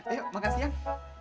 eh makan siang